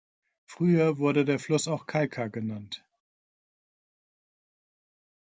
Früher wurde der Fluss auch Kalka genannt.